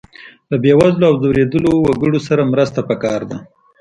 له بې وزلو او ځورېدلو وګړو سره مرسته پکار ده.